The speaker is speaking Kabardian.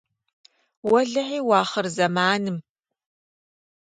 Уэлэхьи, уахъырзэманым!